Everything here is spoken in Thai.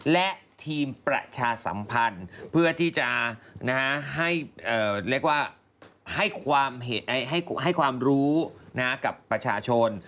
และทีมประชาสัมพันธ์เพื่อที่จะให้เรียกว่าให้ความรู้กับประชาชน